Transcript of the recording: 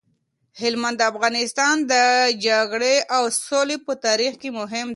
هلمند د افغانستان د جګړې او سولې په تاریخ کي مهم دی.